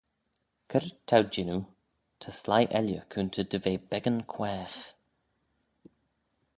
Cre'd t'ou jannoo ta sleih elley coontey dy ve beggan quaagh?